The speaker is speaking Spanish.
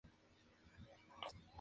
Arma Blanca